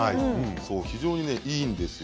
非常にいいですよ。